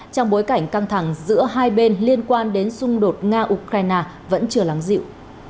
trong bối cảnh căng thẳng giữa hai bên liên quan đến xung đột nga ukraine vẫn chưa lắng dịu